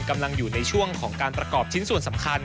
กำลังอยู่ในช่วงของการประกอบชิ้นส่วนสำคัญ